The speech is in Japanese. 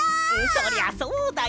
そりゃそうだよ！